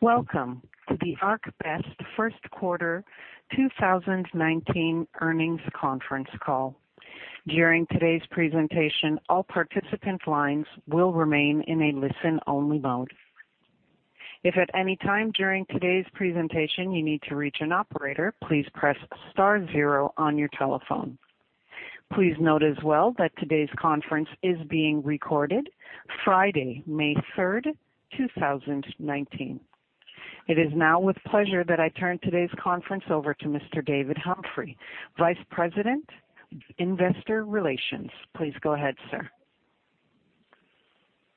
Welcome to the ArcBest First Quarter 2019 Earnings Conference Call. During today's presentation, all participant lines will remain in a listen-only mode. If at any time during today's presentation, you need to reach an operator, please press star zero on your telephone. Please note as well that today's conference is being recorded. Friday, May 3, 2019. It is now with pleasure that I turn today's conference over to Mr. David Humphrey, Vice President, Investor Relations. Please go ahead, sir.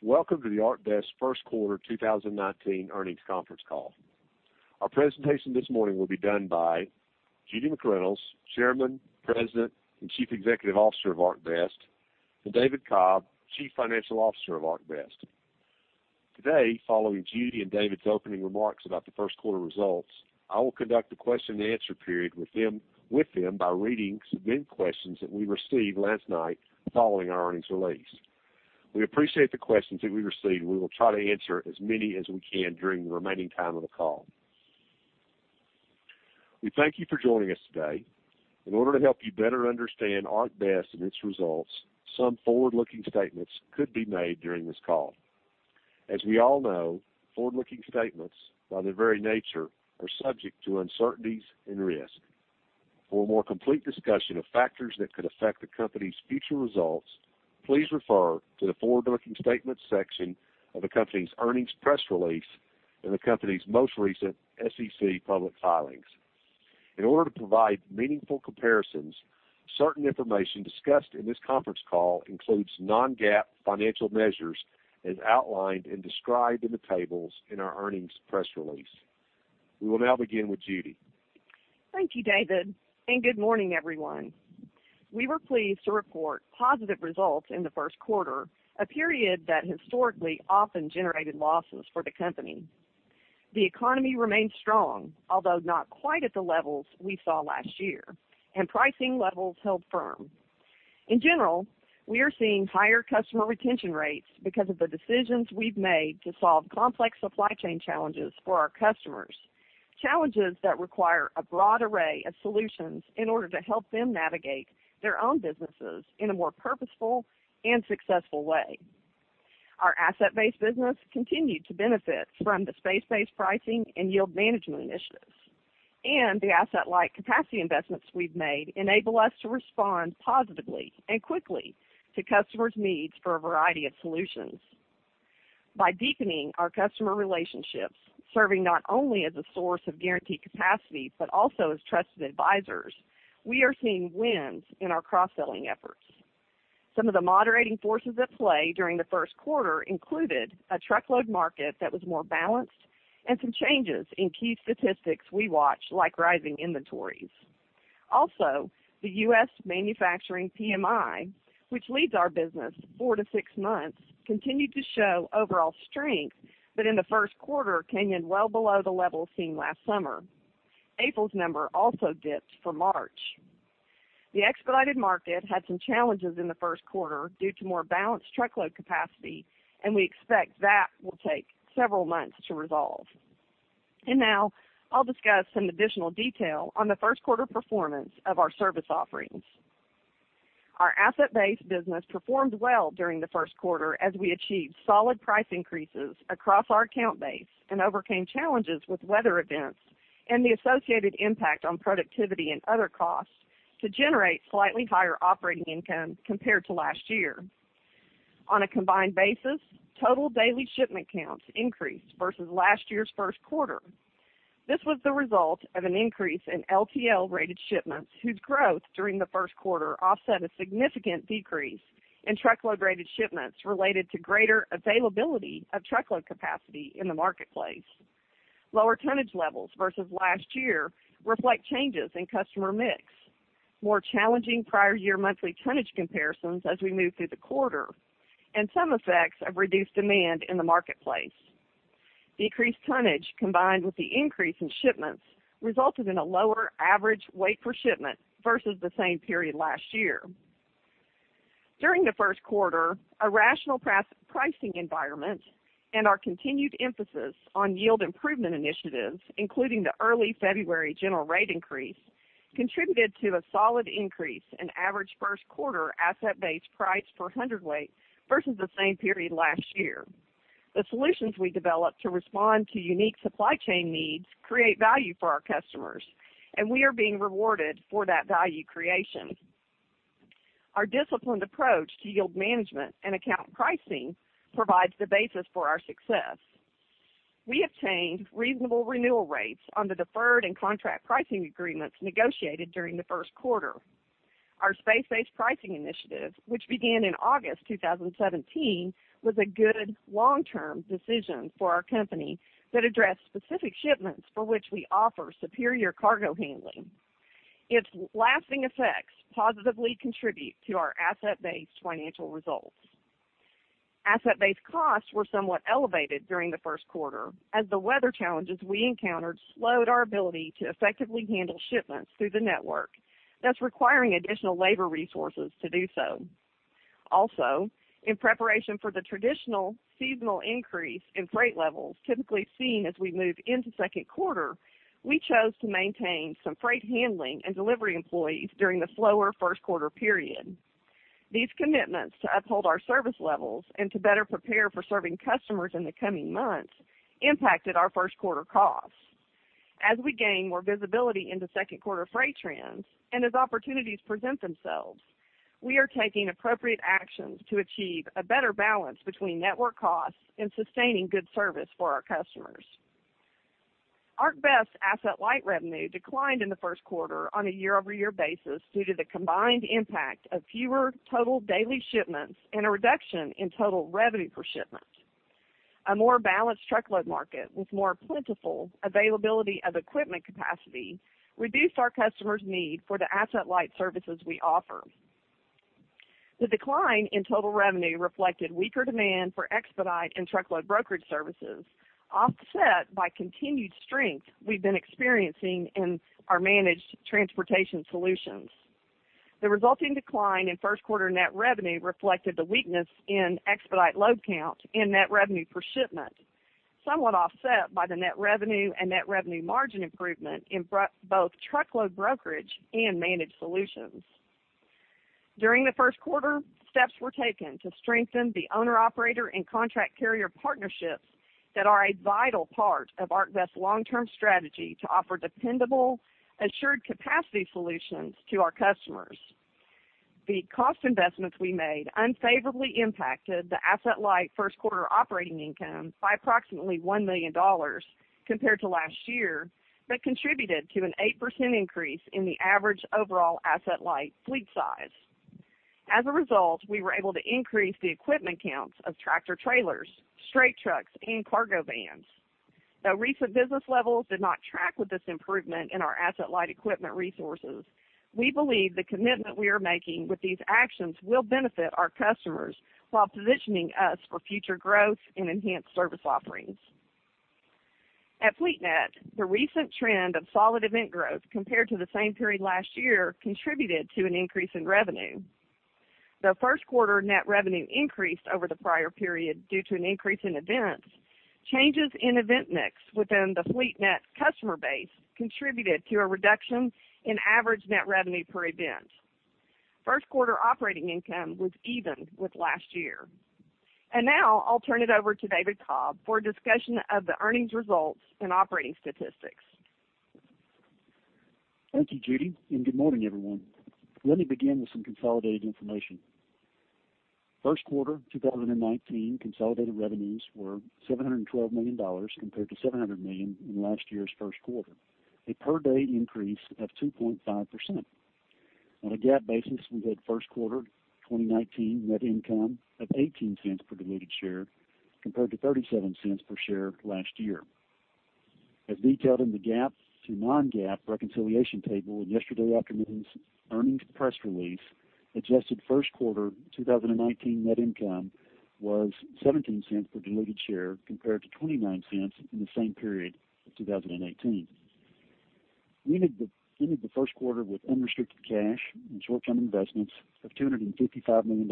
Welcome to the ArcBest First Quarter 2019 Earnings Conference Call. Our presentation this morning will be done by Judy McReynolds, Chairman, President, and Chief Executive Officer of ArcBest, and David Cobb, Chief Financial Officer of ArcBest. Today, following Judy and David's opening remarks about the first quarter results, I will conduct a question-and-answer period with them, with them by reading submitted questions that we received last night following our earnings release. We appreciate the questions that we received. We will try to answer as many as we can during the remaining time of the call. We thank you for joining us today. In order to help you better understand ArcBest and its results, some forward-looking statements could be made during this call. As we all know, forward-looking statements, by their very nature, are subject to uncertainties and risk. For a more complete discussion of factors that could affect the company's future results, please refer to the Forward-Looking Statements section of the company's earnings press release in the company's most recent SEC public filings. In order to provide meaningful comparisons, certain information discussed in this conference call includes non-GAAP financial measures, as outlined and described in the tables in our earnings press release. We will now begin with Judy. Thank you, David, and good morning, everyone. We were pleased to report positive results in the first quarter, a period that historically often generated losses for the company. The economy remains strong, although not quite at the levels we saw last year, and pricing levels held firm. In general, we are seeing higher customer retention rates because of the decisions we've made to solve complex supply chain challenges for our customers, challenges that require a broad array of solutions in order to help them navigate their own businesses in a more purposeful and successful way. Our asset-based business continued to benefit from the space-based pricing and yield management initiatives, and the asset-light capacity investments we've made enable us to respond positively and quickly to customers' needs for a variety of solutions. By deepening our customer relationships, serving not only as a source of guaranteed capacity, but also as trusted advisors, we are seeing wins in our cross-selling efforts. Some of the moderating forces at play during the first quarter included a truckload market that was more balanced and some changes in key statistics we watch, like rising inventories. Also, the U.S. manufacturing PMI, which leads our business 4-6 months, continued to show overall strength, but in the first quarter, came in well below the levels seen last summer. April's number also dipped for March. The expedited market had some challenges in the first quarter due to more balanced truckload capacity, and we expect that will take several months to resolve. Now I'll discuss some additional detail on the first quarter performance of our service offerings. Our asset-based business performed well during the first quarter as we achieved solid price increases across our account base and overcame challenges with weather events and the associated impact on productivity and other costs to generate slightly higher operating income compared to last year. On a combined basis, total daily shipment counts increased versus last year's first quarter. This was the result of an increase in LTL-rated shipments, whose growth during the first quarter offset a significant decrease in truckload-rated shipments related to greater availability of truckload capacity in the marketplace. Lower tonnage levels versus last year reflect changes in customer mix, more challenging prior-year monthly tonnage comparisons as we move through the quarter, and some effects of reduced demand in the marketplace. Decreased tonnage, combined with the increase in shipments, resulted in a lower average weight per shipment versus the same period last year. During the first quarter, a rational pricing environment and our continued emphasis on yield improvement initiatives, including the early February general rate increase, contributed to a solid increase in average first quarter asset-based price per hundredweight versus the same period last year. The solutions we developed to respond to unique supply chain needs create value for our customers, and we are being rewarded for that value creation. Our disciplined approach to yield management and account pricing provides the basis for our success. We obtained reasonable renewal rates on the deferred and contract pricing agreements negotiated during the first quarter. Our space-based pricing initiative, which began in August 2017, was a good long-term decision for our company that addressed specific shipments for which we offer superior cargo handling. Its lasting effects positively contribute to our asset-based financial results. Asset-Based costs were somewhat elevated during the first quarter as the weather challenges we encountered slowed our ability to effectively handle shipments through the network, thus requiring additional labor resources to do so. Also, in preparation for the traditional seasonal increase in freight levels typically seen as we move into second quarter, we chose to maintain some freight handling and delivery employees during the slower first quarter period. These commitments to uphold our service levels and to better prepare for serving customers in the coming months impacted our first quarter costs. As we gain more visibility into second quarter freight trends and as opportunities present themselves, we are taking appropriate actions to achieve a better balance between network costs and sustaining good service for our customers. ArcBest Asset-Light revenue declined in the first quarter on a year-over-year basis due to the combined impact of fewer total daily shipments and a reduction in total revenue per shipment. A more balanced truckload market with more plentiful availability of equipment capacity reduced our customers' need for the asset-light services we offer. The decline in total revenue reflected weaker demand for expedite and truckload brokerage services, offset by continued strength we've been experiencing in our managed transportation solutions. The resulting decline in first quarter net revenue reflected the weakness in expedite load count and net revenue per shipment, somewhat offset by the net revenue and net revenue margin improvement in both truckload brokerage and managed solutions. During the first quarter, steps were taken to strengthen the owner-operator and contract carrier partnerships that are a vital part of ArcBest's long-term strategy to offer dependable, assured capacity solutions to our customers. The cost investments we made unfavorably impacted the asset-light first quarter operating income by approximately $1 million compared to last year, but contributed to an 8% increase in the average overall asset-light fleet size. As a result, we were able to increase the equipment counts of tractor-trailers, straight trucks, and cargo vans. Though recent business levels did not track with this improvement in our asset-light equipment resources, we believe the commitment we are making with these actions will benefit our customers while positioning us for future growth and enhanced service offerings. At FleetNet, the recent trend of solid event growth compared to the same period last year contributed to an increase in revenue. Though first quarter net revenue increased over the prior period due to an increase in events, changes in event mix within the FleetNet customer base contributed to a reduction in average net revenue per event. First quarter operating income was even with last year. Now I'll turn it over to David Cobb for a discussion of the earnings results and operating statistics. Thank you, Judy, and good morning, everyone. Let me begin with some consolidated information. First quarter 2019 consolidated revenues were $712 million compared to $700 million in last year's first quarter, a per-day increase of 2.5%. On a GAAP basis, we had first quarter 2019 net income of $0.18 cents per diluted share, compared to $0.37 cents per share last year. As detailed in the GAAP to non-GAAP reconciliation table in yesterday afternoon's earnings press release, adjusted first quarter 2019 net income was $0.17 cents per diluted share, compared to $0.29 cents in the same period of 2018. We ended the first quarter with unrestricted cash and short-term investments of $255 million.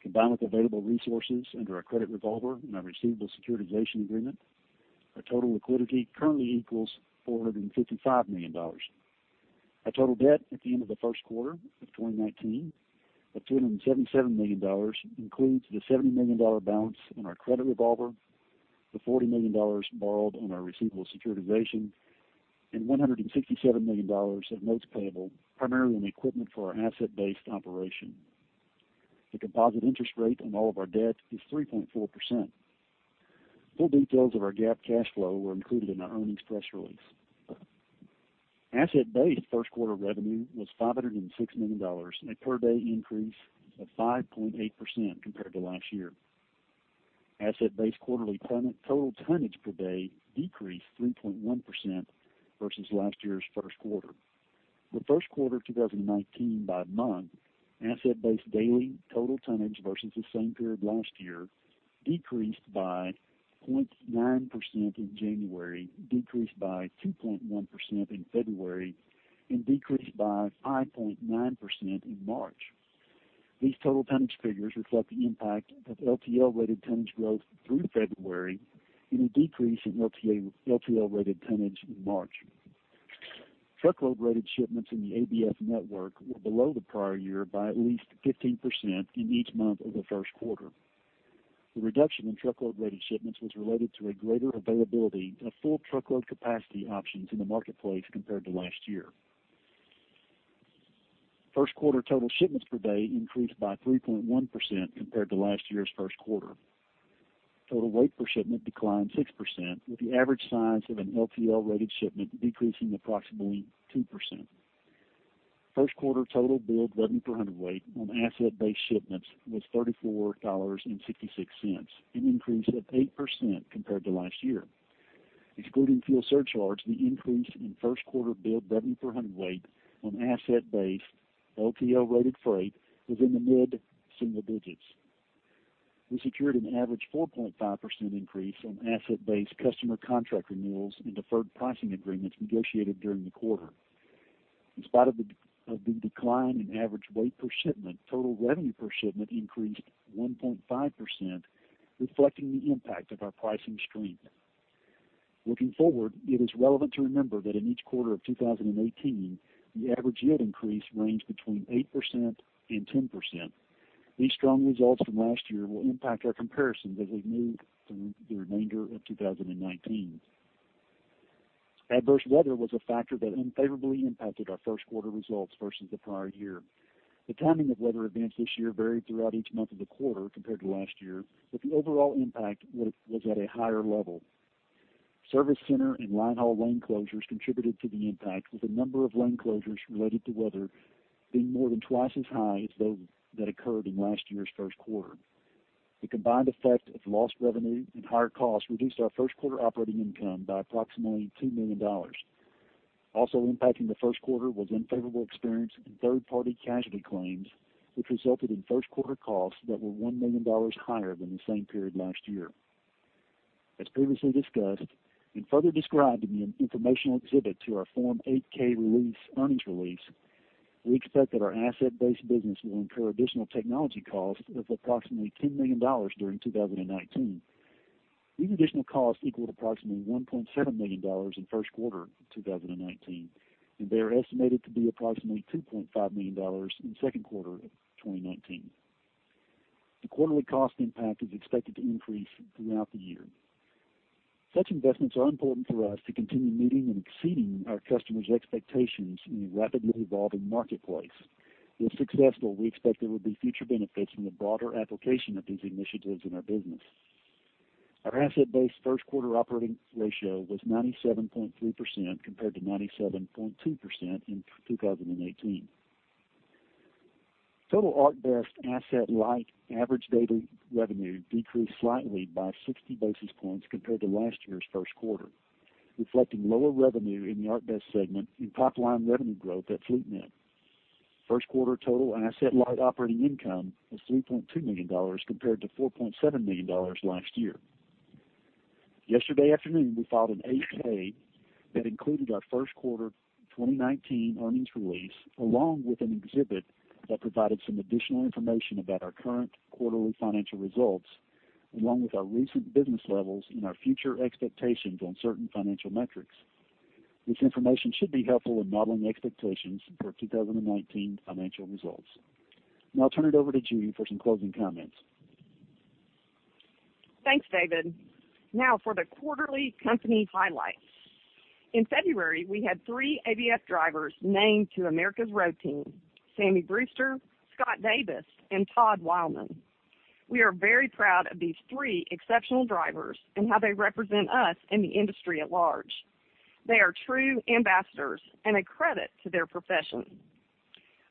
Combined with available resources under our credit revolver and our receivable securitization agreement, our total liquidity currently equals $455 million. Our total debt at the end of the first quarter of 2019, of $277 million, includes the $70 million balance on our credit revolver, the $40 million borrowed on our receivable securitization, and $167 million of notes payable, primarily on equipment for our asset-based operation. The composite interest rate on all of our debt is 3.4%. Full details of our GAAP cash flow were included in our earnings press release. Asset-based first quarter revenue was $506 million, a per-day increase of 5.8% compared to last year. Asset-based quarterly total tonnage per day decreased 3.1% versus last year's first quarter. For first quarter 2019 by month, asset-based daily total tonnage versus the same period last year decreased by 0.9% in January, decreased by 2.1% in February, and decreased by 5.9% in March. These total tonnage figures reflect the impact of LTL-rated tonnage growth through February and a decrease in LTL-rated tonnage in March. Truckload-rated shipments in the ABF network were below the prior year by at least 15% in each month of the first quarter. The reduction in truckload-rated shipments was related to a greater availability of full truckload capacity options in the marketplace compared to last year. First quarter total shipments per day increased by 3.1% compared to last year's first quarter. Total weight per shipment declined 6%, with the average size of an LTL-rated shipment decreasing approximately 2%. First quarter total billed revenue per hundredweight on asset-based shipments was $34.66, an increase of 8% compared to last year. Excluding fuel surcharge, the increase in first quarter billed revenue per hundredweight on asset-based LTL-rated freight was in the mid-single digits. We secured an average 4.5% increase on asset-based customer contract renewals and deferred pricing agreements negotiated during the quarter. In spite of the decline in average weight per shipment, total revenue per shipment increased 1.5%, reflecting the impact of our pricing strength. Looking forward, it is relevant to remember that in each quarter of 2018, the average yield increase ranged between 8%-10%. These strong results from last year will impact our comparison as we move through the remainder of 2019. Adverse weather was a factor that unfavorably impacted our first quarter results versus the prior year. The timing of weather events this year varied throughout each month of the quarter compared to last year, but the overall impact was at a higher level. Service center and line haul lane closures contributed to the impact, with a number of lane closures related to weather being more than twice as high as those that occurred in last year's first quarter. The combined effect of lost revenue and higher costs reduced our first quarter operating income by approximately $2 million. Also impacting the first quarter was unfavorable experience in third-party casualty claims, which resulted in first quarter costs that were $1 million higher than the same period last year. As previously discussed, and further described in the informational exhibit to our Form 8-K release, earnings release, we expect that our asset-based business will incur additional technology costs of approximately $10 million during 2019. These additional costs equaled approximately $1.7 million in first quarter 2019, and they are estimated to be approximately $2.5 million in second quarter of 2019. The quarterly cost impact is expected to increase throughout the year. Such investments are important for us to continue meeting and exceeding our customers' expectations in a rapidly evolving marketplace. If successful, we expect there will be future benefits from the broader application of these initiatives in our business. Our asset-based first quarter operating ratio was 97.3%, compared to 97.2% in 2018. Total ArcBest Asset-Light average daily revenue decreased slightly by 60 basis points compared to last year's first quarter, reflecting lower revenue in the ArcBest segment and top line revenue growth at FleetNet. First quarter total and Asset-Light operating income was $3.2 million, compared to $4.7 million last year. Yesterday afternoon, we filed an 8-K that included our first quarter 2019 earnings release, along with an exhibit that provided some additional information about our current quarterly financial results, along with our recent business levels and our future expectations on certain financial metrics. This information should be helpful in modeling expectations for 2019 financial results. Now I'll turn it over to Judy for some closing comments. Thanks, David. Now for the quarterly company highlights. In February, we had 3 ABF drivers named to America's Road Team, Sammy Brewster, Scott Davis, and Todd Wilemon. We are very proud of these 3 exceptional drivers and how they represent us in the industry at large. They are true ambassadors and a credit to their profession.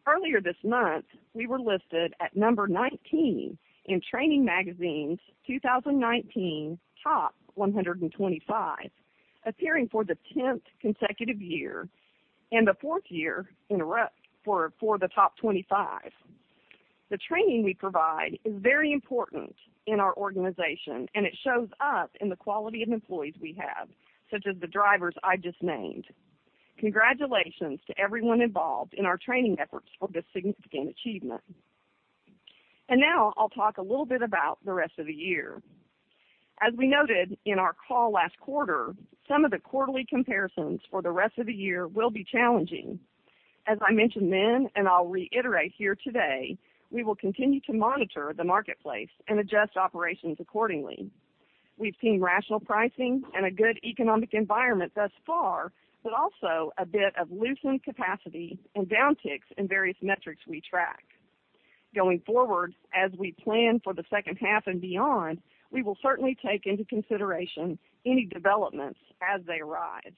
Earlier this month, we were listed at number 19 in Training Magazine's 2019 Top 125, appearing for the 10th consecutive year and the 4th year in a row for the top 25. The training we provide is very important in our organization, and it shows up in the quality of employees we have, such as the drivers I just named. Congratulations to everyone involved in our training efforts for this significant achievement. Now I'll talk a little bit about the rest of the year. As we noted in our call last quarter, some of the quarterly comparisons for the rest of the year will be challenging. As I mentioned then, and I'll reiterate here today, we will continue to monitor the marketplace and adjust operations accordingly. We've seen rational pricing and a good economic environment thus far, but also a bit of loosened capacity and downticks in various metrics we track. Going forward, as we plan for the second half and beyond, we will certainly take into consideration any developments as they arise.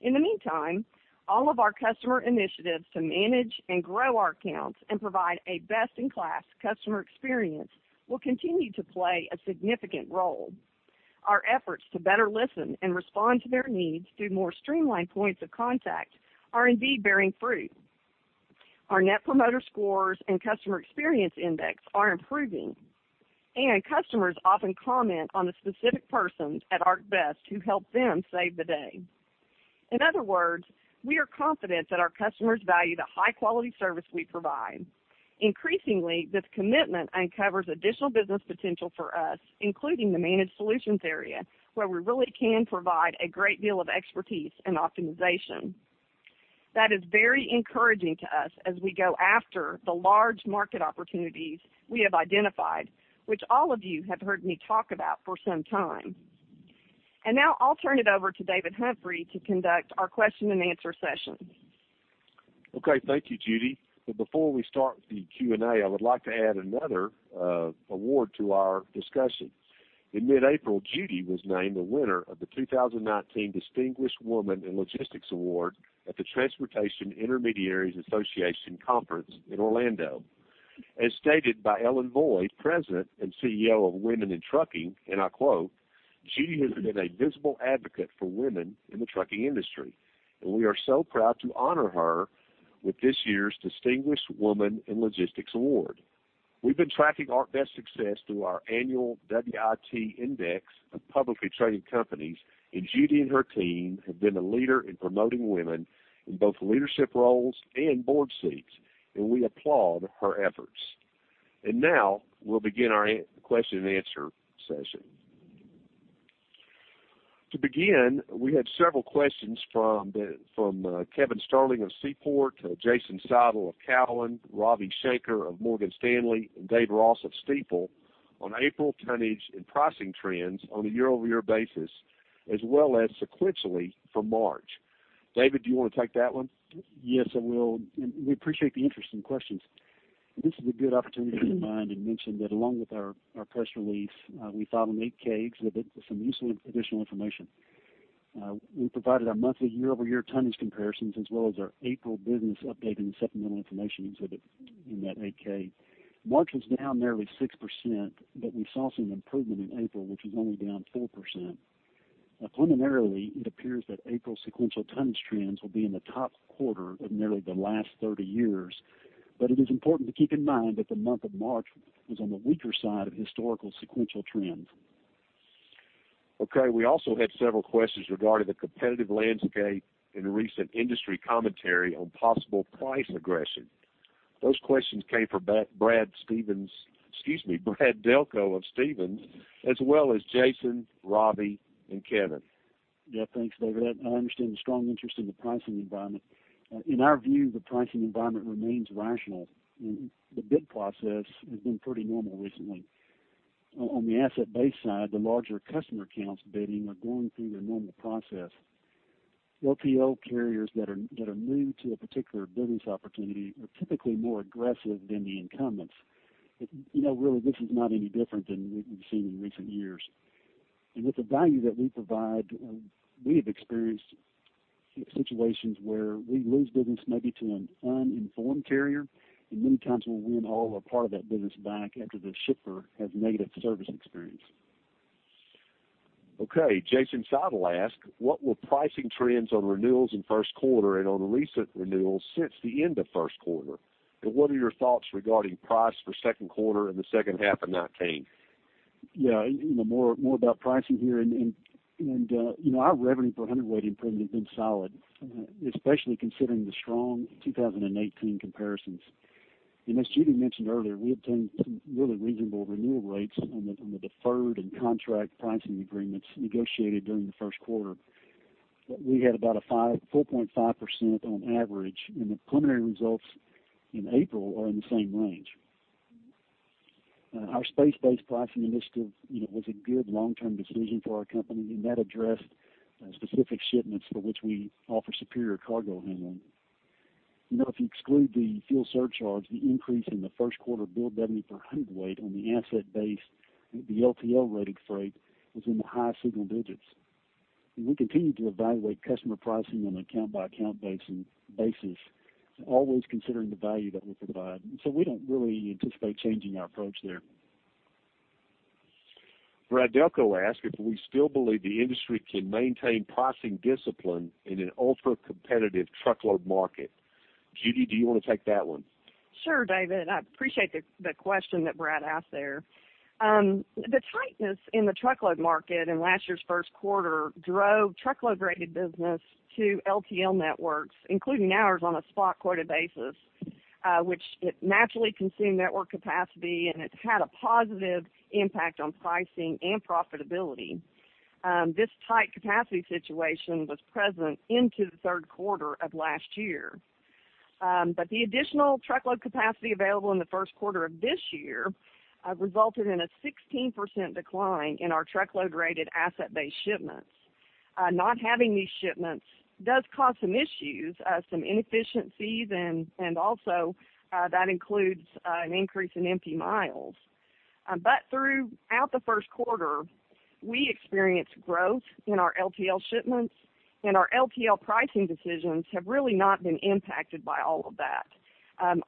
In the meantime, all of our customer initiatives to manage and grow our accounts and provide a best-in-class customer experience will continue to play a significant role. Our efforts to better listen and respond to their needs through more streamlined points of contact are indeed bearing fruit. Our Net Promoter Scores and customer experience index are improving, and customers often comment on the specific persons at ArcBest who help them save the day. In other words, we are confident that our customers value the high-quality service we provide. Increasingly, this commitment uncovers additional business potential for us, including the managed solutions area, where we really can provide a great deal of expertise and optimization. That is very encouraging to us as we go after the large market opportunities we have identified, which all of you have heard me talk about for some time. And now I'll turn it over to David Humphrey to conduct our question and answer session. Okay. Thank you, Judy. But before we start the Q&A, I would like to add another award to our discussion. In mid-April, Judy was named the winner of the 2019 Distinguished Woman in Logistics Award at the Transportation Intermediaries Association Conference in Orlando. As stated by Ellen Voie, President and CEO of Women In Trucking, and I quote, ... Judy has been a visible advocate for women in the trucking industry, and we are so proud to honor her with this year's Distinguished Woman in Logistics Award. We've been tracking ArcBest success through our annual WIT Index of publicly traded companies, and Judy and her team have been a leader in promoting women in both leadership roles and board seats, and we applaud her efforts. And now, we'll begin our question and answer session. To begin, we had several questions from Kevin Sterling of Seaport, Jason Seidl of Cowen, Ravi Shanker of Morgan Stanley, and Dave Ross of Stifel on April tonnage and pricing trends on a year-over-year basis, as well as sequentially from March. David, do you want to take that one? Yes, I will. We appreciate the interest and questions. This is a good opportunity to remind and mention that along with our press release, we filed an 8-K exhibit with some useful additional information. We provided our monthly year-over-year tonnage comparisons as well as our April business update and supplemental information exhibit in that 8-K. March was down nearly 6%, but we saw some improvement in April, which was only down 4%. Now preliminarily, it appears that April sequential tonnage trends will be in the top quarter of nearly the last 30 years. But it is important to keep in mind that the month of March was on the weaker side of historical sequential trends. Okay. We also had several questions regarding the competitive landscape and recent industry commentary on possible price aggression. Those questions came from Brad Delco of Stephens, as well as Jason, Robbie and Kevin. Yeah, thanks, David. I understand the strong interest in the pricing environment. In our view, the pricing environment remains rational, and the bid process has been pretty normal recently. On the asset-based side, the larger customer accounts bidding are going through their normal process. LTL carriers that are new to a particular business opportunity are typically more aggressive than the incumbents. You know, really, this is not any different than we've seen in recent years. And with the value that we provide, we have experienced situations where we lose business maybe to an uninformed carrier, and many times we'll win all or part of that business back after the shipper has a negative service experience. Okay. Jason Seidl asked, "What were pricing trends on renewals in first quarter and on the recent renewals since the end of first quarter? And what are your thoughts regarding price for second quarter and the second half of 2019? Yeah, you know, more about pricing here and, you know, our revenue per hundredweight improvement has been solid, especially considering the strong 2018 comparisons. As Judy mentioned earlier, we obtained some really reasonable renewal rates on the deferred and contract pricing agreements negotiated during the first quarter. We had about a 4.5% on average, and the preliminary results in April are in the same range. Our space-based pricing initiative, you know, was a good long-term decision for our company, and that addressed specific shipments for which we offer superior cargo handling. You know, if you exclude the fuel surcharge, the increase in the first quarter billed revenue per hundredweight on the asset-based LTL rated freight was in the high single digits. We continue to evaluate customer pricing on an account-by-account basis, always considering the value that we provide. So we don't really anticipate changing our approach there. Brad Delco asked if we still believe the industry can maintain pricing discipline in an ultra-competitive truckload market. Judy, do you want to take that one? Sure, David, I appreciate the question that Brad asked there. The tightness in the truckload market in last year's first quarter drove truckload-rated business to LTL networks, including ours, on a spot quoted basis, which it naturally consumed network capacity, and it had a positive impact on pricing and profitability. This tight capacity situation was present into the third quarter of last year. But the additional truckload capacity available in the first quarter of this year resulted in a 16% decline in our truckload-rated asset base shipments. Not having these shipments does cause some issues, some inefficiencies, and also that includes an increase in empty miles. But throughout the first quarter, we experienced growth in our LTL shipments, and our LTL pricing decisions have really not been impacted by all of that.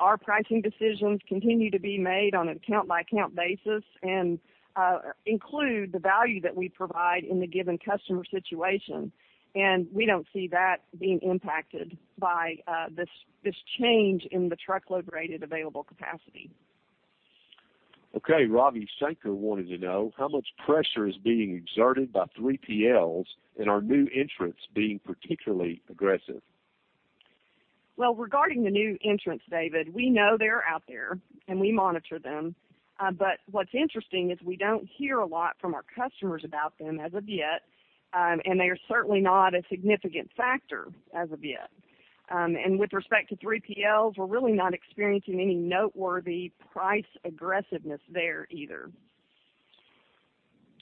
Our pricing decisions continue to be made on an account-by-account basis and include the value that we provide in the given customer situation, and we don't see that being impacted by this change in the truckload-rated available capacity. Okay. Ravi Shanker wanted to know how much pressure is being exerted by 3PLs and are new entrants being particularly aggressive? Well, regarding the new entrants, David, we know they're out there, and we monitor them. But what's interesting is we don't hear a lot from our customers about them as of yet, and they are certainly not a significant factor as of yet. And with respect to 3PLs, we're really not experiencing any noteworthy price aggressiveness there either.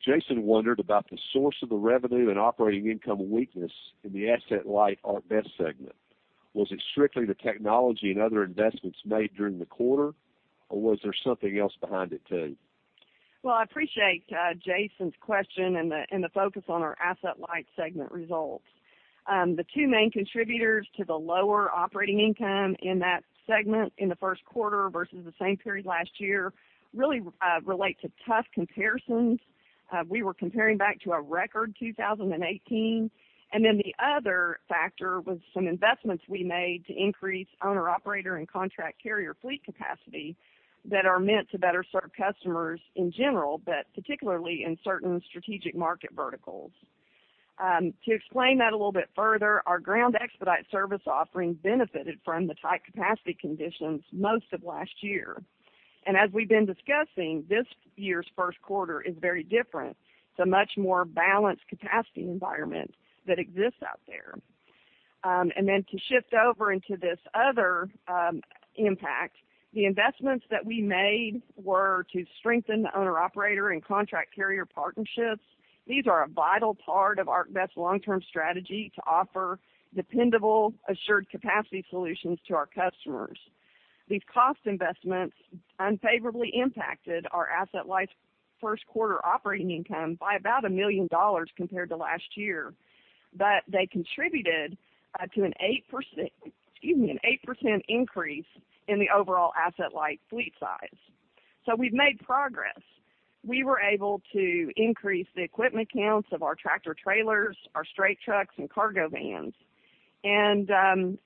Jason wondered about the source of the revenue and operating income weakness in the Asset-Light ArcBest segment. Was it strictly the technology and other investments made during the quarter, or was there something else behind it, too? Well, I appreciate Jason's question and the focus on our Asset-Light segment results. The two main contributors to the lower operating income in that segment in the first quarter versus the same period last year really relate to tough comparisons. We were comparing back to a record 2018, and then the other factor was some investments we made to increase owner-operator and contract carrier fleet capacity that are meant to better serve customers in general, but particularly in certain strategic market verticals. To explain that a little bit further, our ground expedite service offering benefited from the tight capacity conditions most of last year. And as we've been discussing, this year's first quarter is very different. It's a much more balanced capacity environment that exists out there. And then to shift over into this other impact, the investments that we made were to strengthen the owner operator and contract carrier partnerships. These are a vital part of ArcBest long-term strategy to offer dependable, assured capacity solutions to our customers. These cost investments unfavorably impacted our Asset-Light first quarter operating income by about $1 million compared to last year, but they contributed to an 8%, excuse me, an 8% increase in the overall Asset-Light fleet size. So we've made progress. We were able to increase the equipment counts of our tractor-trailers, our straight trucks, and cargo vans. And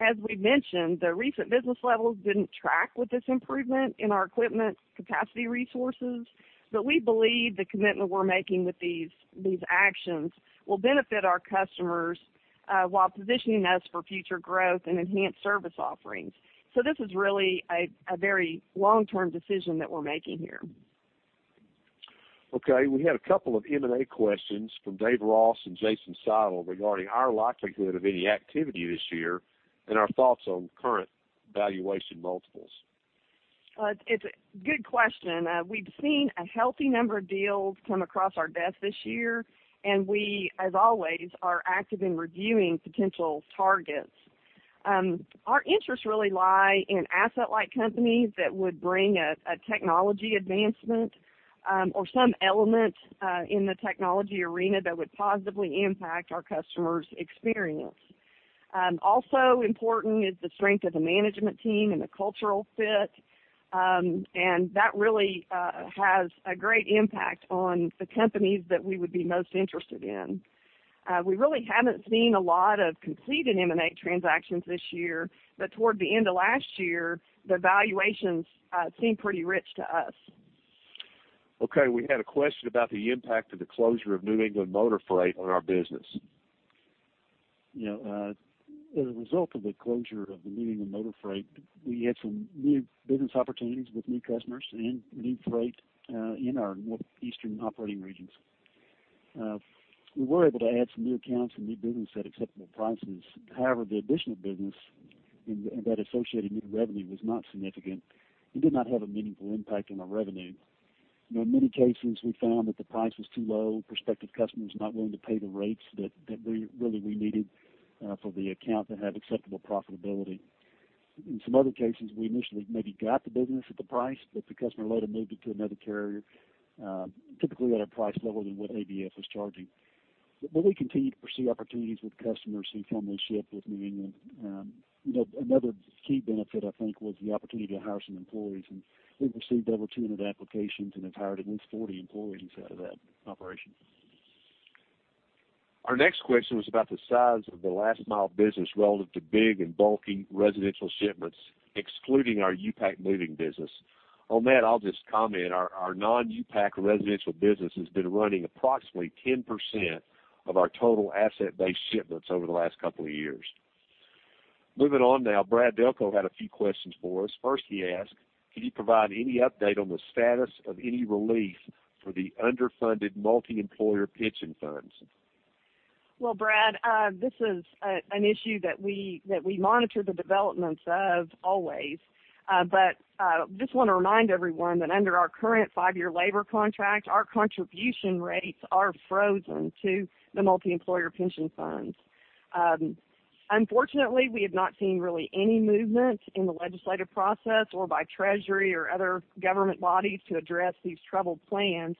as we mentioned, the recent business levels didn't track with this improvement in our equipment capacity resources, but we believe the commitment we're making with these, these actions will benefit our customers while positioning us for future growth and enhanced service offerings. This is really a very long-term decision that we're making here. Okay, we had a couple of M&A questions from David Ross and Jason Seidl regarding our likelihood of any activity this year and our thoughts on current valuation multiples. It's a good question. We've seen a healthy number of deals come across our desk this year, and we, as always, are active in reviewing potential targets. Our interests really lie in Asset-Light companies that would bring a technology advancement, or some element in the technology arena that would positively impact our customers' experience. Also important is the strength of the management team and the cultural fit, and that really has a great impact on the companies that we would be most interested in. We really haven't seen a lot of completed M&A transactions this year, but toward the end of last year, the valuations seemed pretty rich to us. Okay, we had a question about the impact of the closure of New England Motor Freight on our business. You know, as a result of the closure of the New England Motor Freight, we had some new business opportunities with new customers and new freight in our northeastern operating regions. We were able to add some new accounts and new business at acceptable prices. However, the additional business and that associated new revenue was not significant and did not have a meaningful impact on our revenue. In many cases, we found that the price was too low, prospective customers not willing to pay the rates that we really needed for the account to have acceptable profitability. In some other cases, we initially maybe got the business at the price, but the customer later moved it to another carrier, typically at a price lower than what ABF was charging. But we continue to pursue opportunities with customers who formerly shipped with New England. You know, another key benefit, I think, was the opportunity to hire some employees, and we've received over 200 applications and have hired at least 40 employees out of that operation. Our next question was about the size of the last mile business relative to big and bulky residential shipments, excluding our U-Pack moving business. On that, I'll just comment. Our non-U-Pack residential business has been running approximately 10% of our total asset base shipments over the last couple of years. Moving on now, Brad Delco had a few questions for us. First, he asked, "Can you provide any update on the status of any relief for the underfunded multi-employer pension funds? Well, Brad, this is an issue that we monitor the developments of always. But just want to remind everyone that under our current 5-year labor contract, our contribution rates are frozen to the multi-employer pension funds. Unfortunately, we have not seen really any movement in the legislative process or by Treasury or other government bodies to address these troubled plans.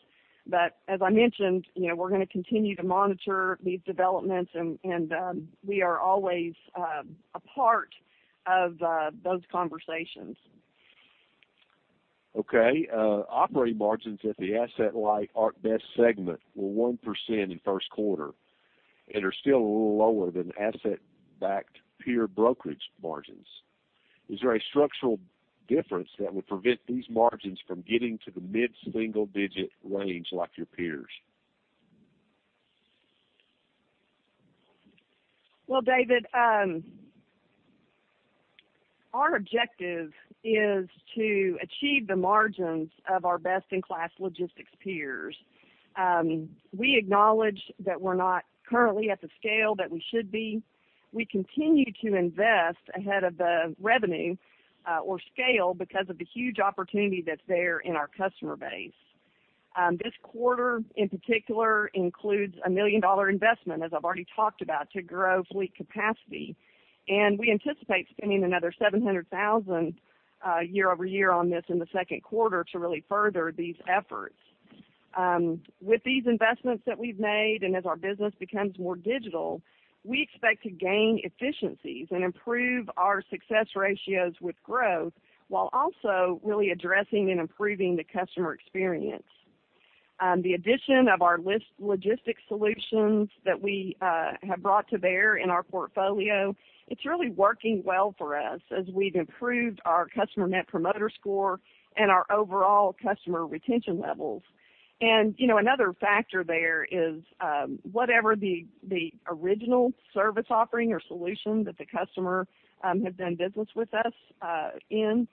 But as I mentioned, you know, we're gonna continue to monitor these developments, and we are always a part of those conversations. Okay. Operating margins at the Asset-Light ArcBest segment were 1% in first quarter and are still a little lower than asset-based peer brokerage margins. Is there a structural difference that would prevent these margins from getting to the mid-single digit range like your peers? Well, David, our objective is to achieve the margins of our best-in-class logistics peers. We acknowledge that we're not currently at the scale that we should be. We continue to invest ahead of the revenue, or scale because of the huge opportunity that's there in our customer base. This quarter, in particular, includes a $1 million investment, as I've already talked about, to grow fleet capacity, and we anticipate spending another $700,000 year-over-year on this in the second quarter to really further these efforts. With these investments that we've made, and as our business becomes more digital, we expect to gain efficiencies and improve our success ratios with growth, while also really addressing and improving the customer experience. The addition of our LTL logistics solutions that we have brought to bear in our portfolio, it's really working well for us as we've improved our customer Net Promoter Score and our overall customer retention levels. And, you know, another factor there is whatever the original service offering or solution that the customer has done business with us in.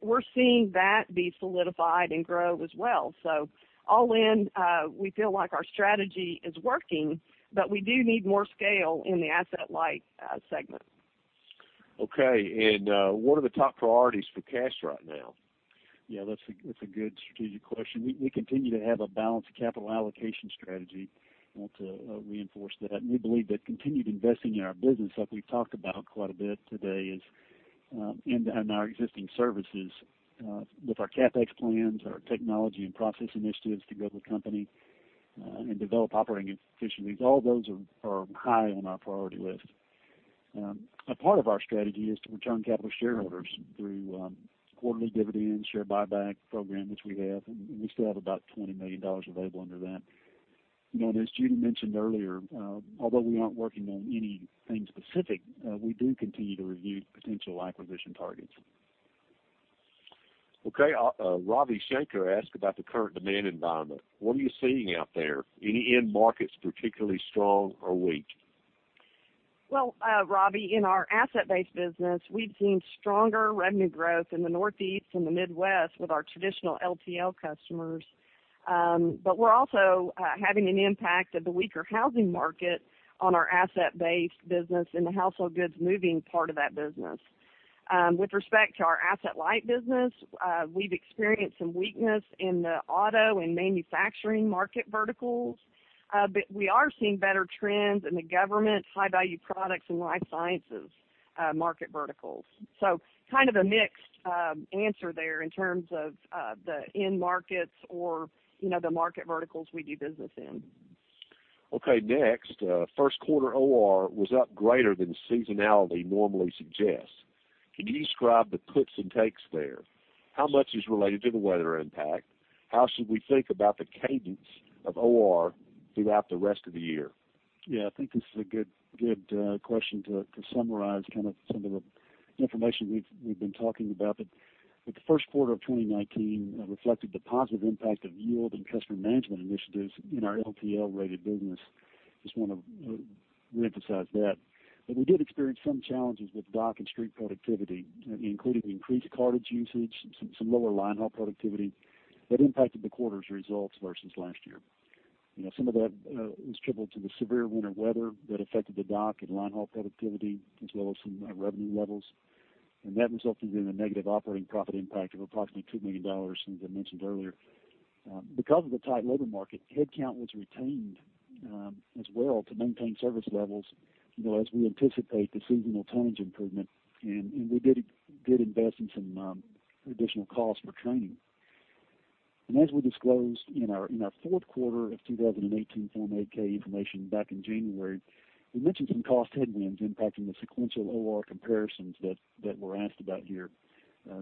We're seeing that be solidified and grow as well. So all in, we feel like our strategy is working, but we do need more scale in the Asset-Light segment. Okay. And, what are the top priorities for cash right now? Yeah, that's a good strategic question. We continue to have a balanced capital allocation strategy. I want to reinforce that. And we believe that continued investing in our business, like we've talked about quite a bit today, is, and in our existing services, with our CapEx plans, our technology and process initiatives to grow the company, and develop operating efficiencies, all those are high on our priority list. A part of our strategy is to return capital to shareholders through quarterly dividends, share buyback program, which we have, and we still have about $20 million available under that. You know, as Judy mentioned earlier, although we aren't working on anything specific, we do continue to review potential acquisition targets. Okay. Ravi Shanker asked about the current demand environment. What are you seeing out there? Any end markets particularly strong or weak? Well, Robbie, in our asset-based business, we've seen stronger revenue growth in the Northeast and the Midwest with our traditional LTL customers. But we're also having an impact of the weaker housing market on our asset-based business and the household goods moving part of that business. With respect to our asset-light business, we've experienced some weakness in the auto and manufacturing market verticals. But we are seeing better trends in the government, high-value products, and life sciences market verticals. So kind of a mixed answer there in terms of the end markets or, you know, the market verticals we do business in. Okay. Next, first quarter OR was up greater than seasonality normally suggests. Can you describe the puts and takes there? How much is related to the weather impact? How should we think about the cadence of OR throughout the rest of the year? Yeah, I think this is a good, good, question to, to summarize kind of some of the information we've, we've been talking about. But the first quarter of 2019 reflected the positive impact of yield and customer management initiatives in our LTL-rated business. Just wanna reemphasize that. But we did experience some challenges with dock and street productivity, including increased cartage usage, some, some lower line haul productivity that impacted the quarter's results versus last year. You know, some of that was attributable to the severe winter weather that affected the dock and line haul productivity, as well as some revenue levels. And that resulted in a negative operating profit impact of approximately $2 million, as I mentioned earlier. Because of the tight labor market, headcount was retained, as well to maintain service levels, you know, as we anticipate the seasonal tonnage improvement, and we did invest in some additional costs for training. And as we disclosed in our fourth quarter of 2018 Form 8-K information back in January, we mentioned some cost headwinds impacting the sequential OR comparisons that were asked about here.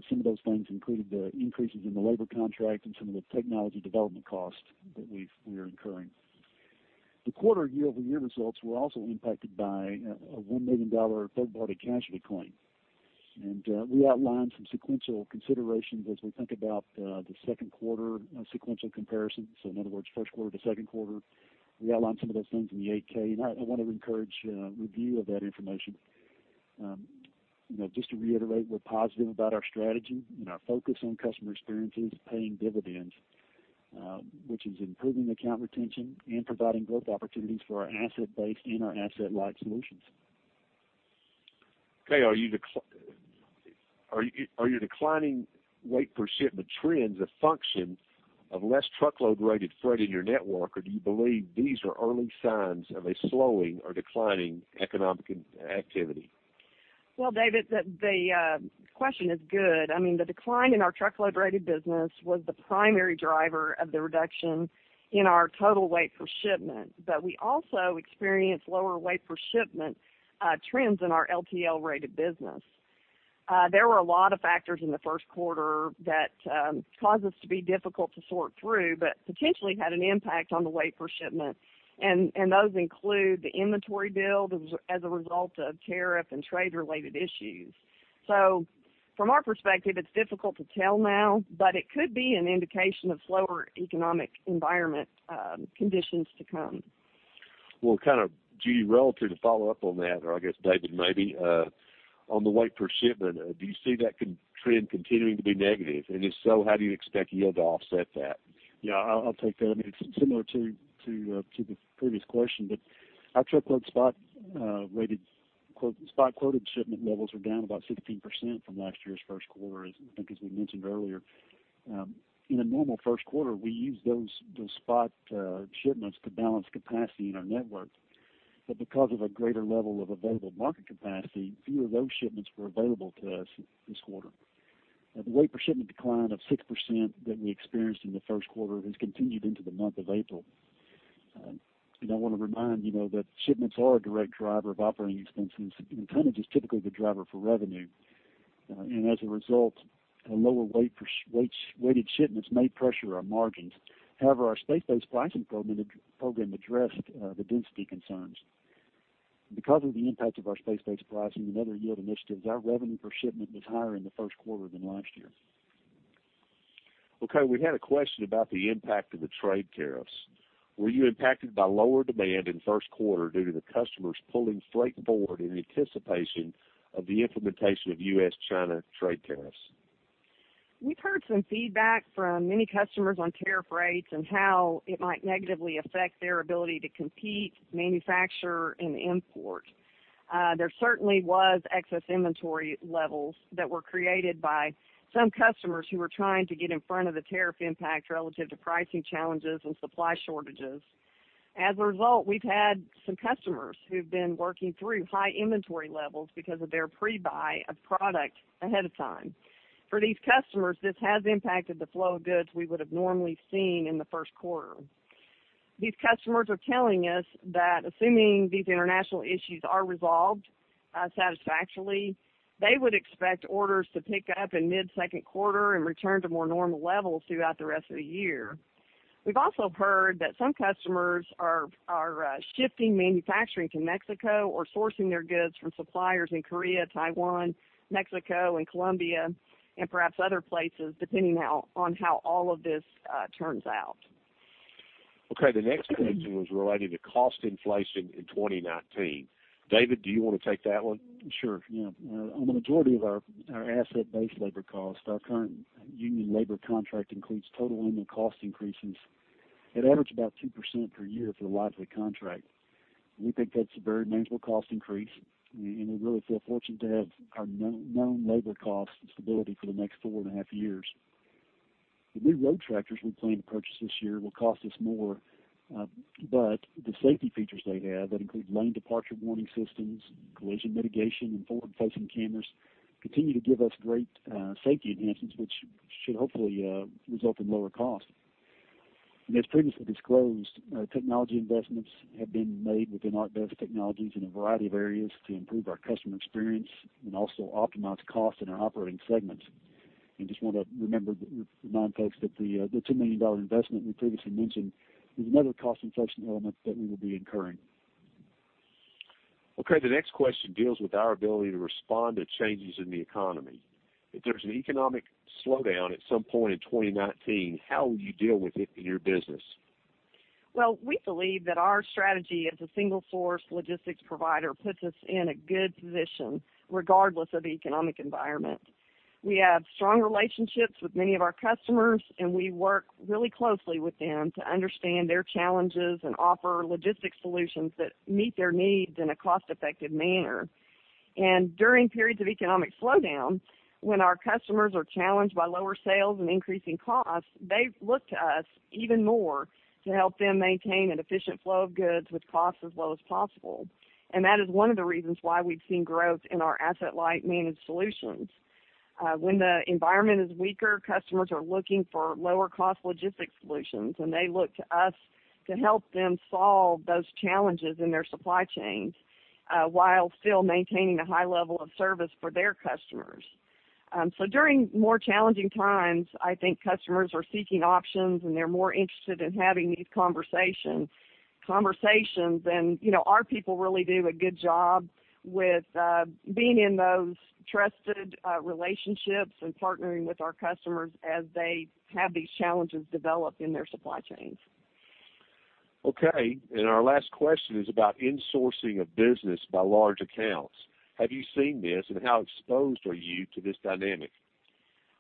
Some of those things included the increases in the labor contract and some of the technology development costs that we are incurring. The quarter year-over-year results were also impacted by a $1 million third-party casualty claim. And we outlined some sequential considerations as we think about the second quarter sequential comparison. So in other words, first quarter to second quarter, we outlined some of those things in the 8-K, and I want to encourage review of that information. You know, just to reiterate, we're positive about our strategy, and our focus on customer experience is paying dividends, which is improving account retention and providing growth opportunities for our Asset-Based and our Asset-Light solutions. Okay. Are you declining weight per shipment trends a function of less truckload-rated freight in your network, or do you believe these are early signs of a slowing or declining economic activity? Well, David, the question is good. I mean, the decline in our truckload-rated business was the primary driver of the reduction in our total weight per shipment, but we also experienced lower weight per shipment trends in our LTL-rated business. There were a lot of factors in the first quarter that caused this to be difficult to sort through, but potentially had an impact on the weight per shipment, and those include the inventory build as a result of tariff and trade related issues. So from our perspective, it's difficult to tell now, but it could be an indication of slower economic environment conditions to come. Well, kind of, Judy, relative to follow up on that, or I guess, David, maybe, on the weight per shipment, do you see that trend continuing to be negative? And if so, how do you expect yield to offset that? Yeah, I'll, I'll take that. I mean, it's similar to, to, to the previous question, but our truckload spot rated quote spot quoted shipment levels are down about 16% from last year's first quarter, as I think, as we mentioned earlier. In a normal first quarter, we use those, those spot shipments to balance capacity in our network, but because of a greater level of available market capacity, fewer of those shipments were available to us this quarter. Now, the weight per shipment decline of 6% that we experienced in the first quarter has continued into the month of April. And I want to remind you know, that shipments are a direct driver of operating expenses, and tonnage is typically the driver for revenue. And as a result, a lower weight per weight, weighted shipments may pressure our margins. However, our space-based pricing program addressed the density concerns. Because of the impact of our space-based pricing and other yield initiatives, our revenue per shipment was higher in the first quarter than last year. Okay, we had a question about the impact of the trade tariffs. Were you impacted by lower demand in the first quarter due to the customers pulling freight forward in anticipation of the implementation of U.S.-China trade tariffs? We've heard some feedback from many customers on tariff rates and how it might negatively affect their ability to compete, manufacture, and import. There certainly was excess inventory levels that were created by some customers who were trying to get in front of the tariff impact relative to pricing challenges and supply shortages. As a result, we've had some customers who've been working through high inventory levels because of their pre-buy of product ahead of time. For these customers, this has impacted the flow of goods we would have normally seen in the first quarter. These customers are telling us that assuming these international issues are resolved, satisfactorily, they would expect orders to pick up in mid-second quarter and return to more normal levels throughout the rest of the year. We've also heard that some customers are shifting manufacturing to Mexico or sourcing their goods from suppliers in Korea, Taiwan, Mexico, and Colombia, and perhaps other places, depending on how all of this turns out. Okay, the next question was related to cost inflation in 2019. David, do you want to take that one? Sure. Yeah. On the majority of our asset-based labor cost, our current union labor contract includes total limited cost increases. It averages about 2% per year for the life of the contract. We think that's a very manageable cost increase, and we really feel fortunate to have our known labor cost stability for the next 4.5 years. The new road tractors we plan to purchase this year will cost us more, but the safety features they have, that include lane departure warning systems, collision mitigation, and forward-facing cameras, continue to give us great safety enhancements, which should hopefully result in lower costs. And as previously disclosed, technology investments have been made within ArcBest Technologies in a variety of areas to improve our customer experience and also optimize costs in our operating segments. Just want to remember, remind folks that the $2 million investment we previously mentioned is another cost inflation element that we will be incurring. Okay, the next question deals with our ability to respond to changes in the economy. If there's an economic slowdown at some point in 2019, how will you deal with it in your business? Well, we believe that our strategy as a single-source logistics provider puts us in a good position, regardless of the economic environment. We have strong relationships with many of our customers, and we work really closely with them to understand their challenges and offer logistics solutions that meet their needs in a cost-effective manner. During periods of economic slowdown, when our customers are challenged by lower sales and increasing costs, they look to us even more to help them maintain an efficient flow of goods with costs as low as possible. That is one of the reasons why we've seen growth in our asset-light managed solutions. When the environment is weaker, customers are looking for lower-cost logistics solutions, and they look to us to help them solve those challenges in their supply chains, while still maintaining a high level of service for their customers. So during more challenging times, I think customers are seeking options, and they're more interested in having these conversations. And, you know, our people really do a good job with being in those trusted relationships and partnering with our customers as they have these challenges develop in their supply chains. Okay, and our last question is about insourcing of business by large accounts. Have you seen this, and how exposed are you to this dynamic?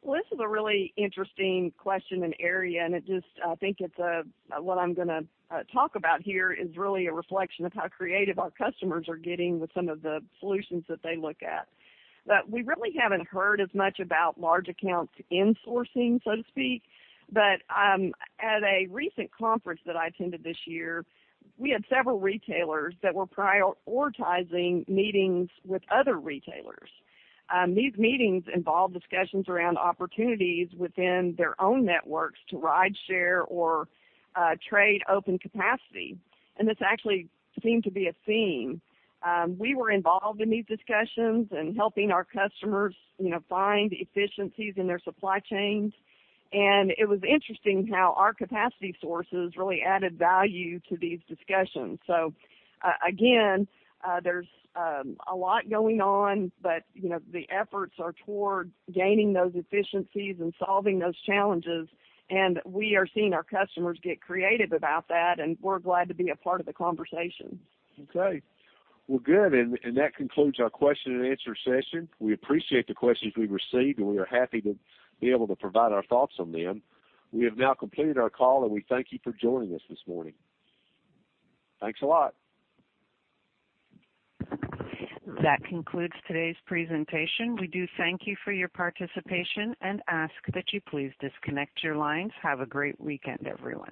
Well, this is a really interesting question and area, and it just... I think it's a, what I'm gonna talk about here is really a reflection of how creative our customers are getting with some of the solutions that they look at. But we really haven't heard as much about large accounts insourcing, so to speak. At a recent conference that I attended this year, we had several retailers that were prioritizing meetings with other retailers. These meetings involved discussions around opportunities within their own networks to rideshare or, trade open capacity. And this actually seemed to be a theme. We were involved in these discussions and helping our customers, you know, find efficiencies in their supply chains, and it was interesting how our capacity sources really added value to these discussions. So, again, there's a lot going on, but, you know, the efforts are towards gaining those efficiencies and solving those challenges, and we are seeing our customers get creative about that, and we're glad to be a part of the conversation. Okay. Well, good, and that concludes our question and answer session. We appreciate the questions we received, and we are happy to be able to provide our thoughts on them. We have now completed our call, and we thank you for joining us this morning. Thanks a lot. That concludes today's presentation. We do thank you for your participation and ask that you please disconnect your lines. Have a great weekend, everyone.